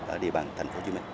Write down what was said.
ở địa bàn thành phố hồ chí minh